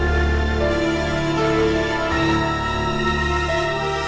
haris sudah siap